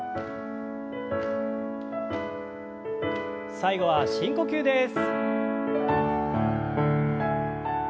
最後は深呼吸です。